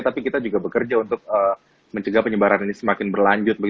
tapi kita juga bekerja untuk mencegah penyebaran ini semakin berlanjut